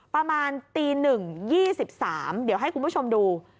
ประมาณตี๑๒๓เดี๋ยวให้คุณผู้ชมดู